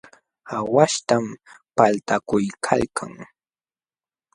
Aawaśhtam paltaykuykalkan.